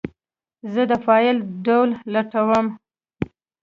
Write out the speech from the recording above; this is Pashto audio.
زه د فایل ډول لټوم.